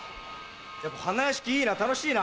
やっぱ花やしきいいな楽しいな。